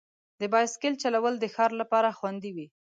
د بایسکل چلول د ښار لپاره خوندي وي.